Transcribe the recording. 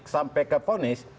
sampai ke ponis